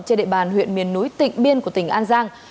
trên địa bàn huyện miền núi tỉnh biên của tỉnh an giang